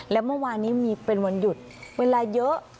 และเมื่อวานนี้มีเป็นวันหยุดเวลาเยอะ